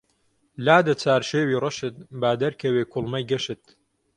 لادە چارشێوی ڕەشت با دەرکەوێ کوڵمەی گەشت